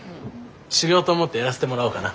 修行と思ってやらせてもらおうかな。